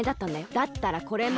だったらこれも。